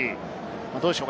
どうでしょう？